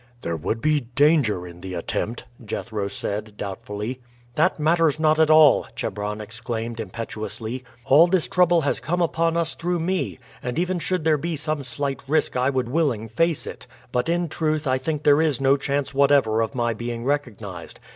"There would be danger in the attempt," Jethro said doubtfully. "That matters not at all!" Chebron exclaimed impetuously. "All this trouble has come upon us through me, and even should there be some slight risk I would willing face it; but in truth I think there is no chance whatever of my being recognized.